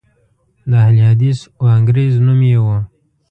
د اهل حدیث وانګریز نوم یې و.